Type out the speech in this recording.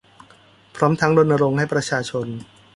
พร้อมทั้งรณรงค์ให้ประชาชน